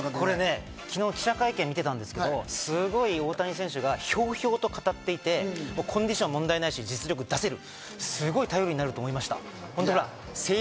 昨日、記者会見を見てたんですけど、すごい大谷選手がひょうひょうと語っていて、コンディション問題ないし、実力出せる。